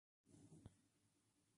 Tercera colección.